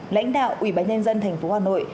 lãnh đạo ủy ban nhân dân thành phố hà nội